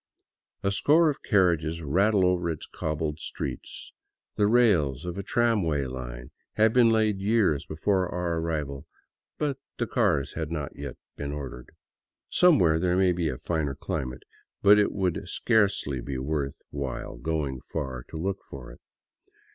A score of carriages rattle over its cobbled streets ; the rails of a tramway line had been laid years before our arrival, but the cars had not yet been ordered. Somewhere there may be a finer cli mate, but it would scarcely be worth while going far to look for it.